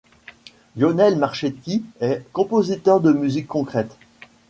Lionel Marchetti est compositeur de musique concrète.